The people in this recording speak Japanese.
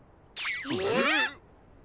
えっ！？